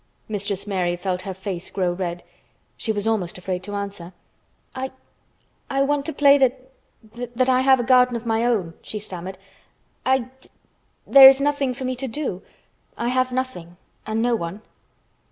Mistress Mary felt her face grow red. She was almost afraid to answer. "I—I want to play that—that I have a garden of my own," she stammered. "I—there is nothing for me to do. I have nothing—and no one."